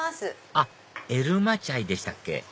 あっエルマチャイでしたっけ